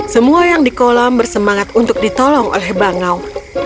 semua yang di kolam bersemangat untuk ditolong oleh bangau